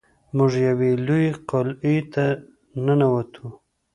موږ یوې لویې قلعې ته ننوتو.